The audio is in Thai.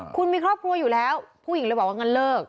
คุณมีครอบครัวอยู่แล้วผู้หญิงเลยบอกว่างั้นเลิก